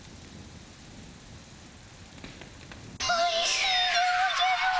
おいしいでおじゃる。